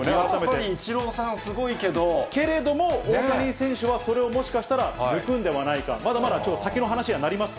やっぱりイチローさんすごいけれども、大谷選手はそれをもしかしたら抜くんではないか、まだまだ先の話にはなります